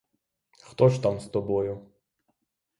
Хто ж там з тобою?